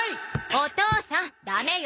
お父さんダメよ！